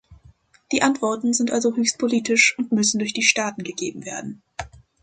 Die Antworten sind also höchst politisch und müssen durch die Staaten gegeben werden.